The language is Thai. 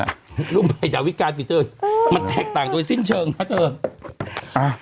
รูปใหม่ดาวิการสิเธอมันแตกต่างโดยสิ้นเชิงนะเธออ่า